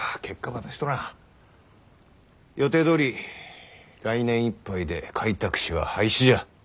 予定どおり来年いっぱいで開拓使は廃止じゃ。